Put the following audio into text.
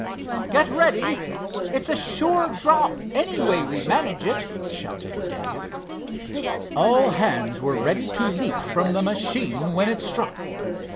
"Get ready. It's a sure drop, any way we manage it," shouted Dave. All hands were ready to leap from the machine when it struck.